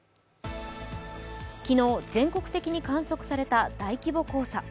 昨日、全国的に観測された大規模黄砂。